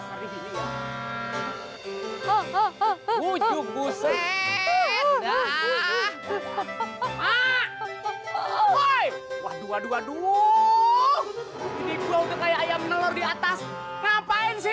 aku sudah tidak sanggup be